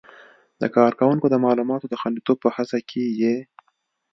د کاروونکو د معلوماتو د خوندیتوب په هڅو کې یې